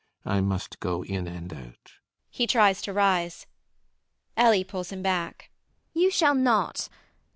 I must go in and out. [He tries to rise]. ELLIE [pulling him back]. You shall not.